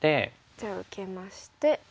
じゃあ受けまして。